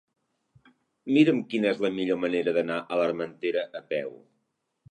Mira'm quina és la millor manera d'anar a l'Armentera a peu.